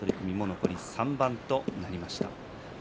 残り３番となりました。